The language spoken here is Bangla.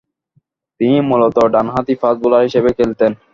তিনি মূলতঃ ডানহাতি ফাস্ট বোলার হিসেবে খেলতেন।